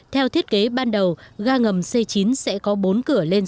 theo thiết kế ban đầu gà ngầm c chín được đặt trong khu vực công viên bờ hồ hoàn kiếm